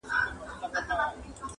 چوپ پاته وي,